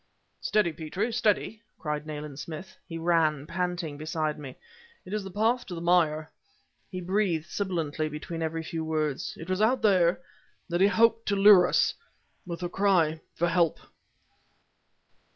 "Steady, Petrie! steady!" cried Nayland Smith. He ran, panting, beside me. "It is the path to the mire." He breathed sibilantly between every few words. "It was out there... that he hoped to lure us... with the cry for help."